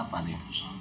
bapak di kapal